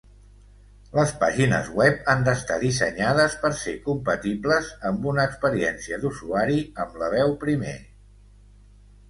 Les pàgines web han d'estar dissenyades per ser compatibles amb una experiència d'usuari amb la veu primer.